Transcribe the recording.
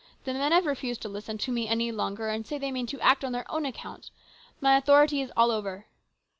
" The men have refused to listen to me any longer, and say they mean to act on their own account ! My authority is all over